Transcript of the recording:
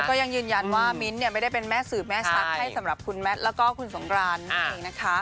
ก็ยังยืนยันว่ามิ้นท์ไม่ได้เป็นแม่สื่อแม่ชักให้สำหรับคุณแมทแล้วก็คุณสงกรานนั่นเองนะคะ